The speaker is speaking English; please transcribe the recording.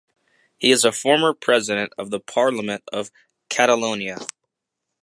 He is a former president of the Parliament of Catalonia.